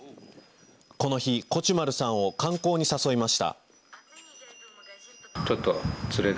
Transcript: この日コチュマルさんを観光に誘いました。